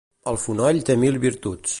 El fonoll té mil virtuts.